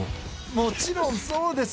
もちろんそうです。